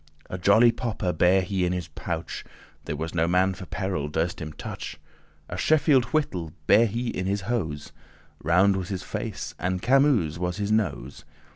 A jolly popper* bare he in his pouch; *dagger There was no man for peril durst him touch. A Sheffield whittle* bare he in his hose. *small knife Round was his face, and camuse* was his nose.